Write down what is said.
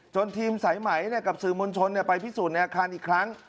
ทีมสายไหมกับสื่อมวลชนไปพิสูจน์ในอาคารอีกครั้ง